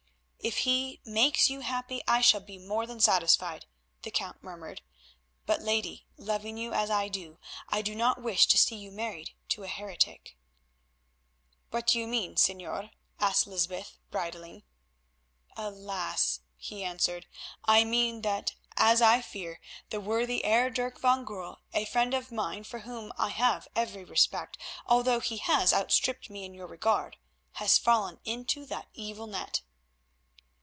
"If he makes you happy I shall be more than satisfied," the Count murmured, "but, lady, loving you as I do, I do not wish to see you married to a heretic." "What do you mean, Señor?" asked Lysbeth, bridling. "Alas!" he answered, "I mean that, as I fear, the worthy Heer Dirk van Goorl, a friend of mine for whom I have every respect, although he has outstripped me in your regard, has fallen into that evil net."